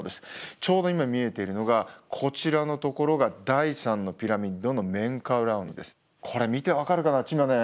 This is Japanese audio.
ちょうど今見えているのがこちらのところが第３のピラミッドのメンカウラー王のこれ見て分かるかな？